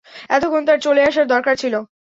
এতক্ষণ তার চলে আসার দরকার ছিল।